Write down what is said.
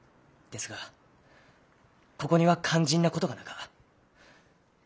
ですがここには肝心なことがなか。